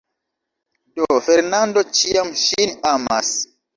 Do Fernando ĉiam ŝin amas.